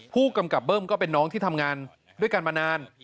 ผู้กำกับเบิ้มก็เป็นน้องที่ทำงานด้วยกันมานาน